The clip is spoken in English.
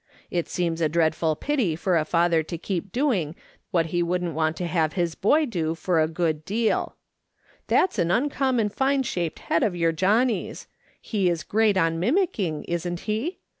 It seems a dreadful pity for a father to keep doing what he wouldn't have his boy do for a good deal. That's an uncommon fine shaped head of your Johnny's. He is great on mimicking, isn't he